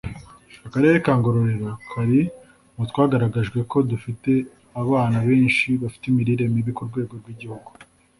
Akarere ka Ngororero kari mu twagaragajwe ko dufite abana benshi bafite imirire mibi ku rwego rw’igihugu